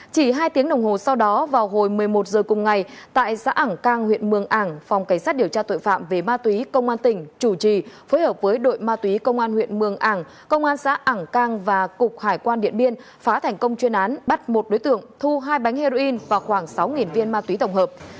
chỉ hai tiếng đồng hồ sau đó vào hồi một mươi một h cùng ngày tại xã ảng cang huyện mường ảng phòng cảnh sát điều tra tội phạm về ma túy công an tỉnh chủ trì phối hợp với đội ma túy công an huyện mường ảng công an xã ảng cang và cục hải quan điện biên phá thành công chuyên án bắt một đối tượng thu hai bánh heroin và khoảng sáu viên ma túy tổng hợp